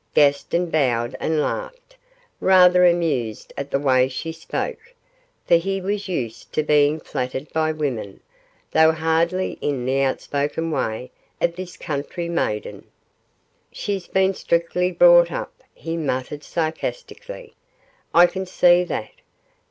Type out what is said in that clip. Gaston bowed and laughed, rather amused at the way she spoke, for he was used to being flattered by women, though hardly in the outspoken way of this country maiden. 'She's been strictly brought up,' he muttered sarcastically, 'I can see that.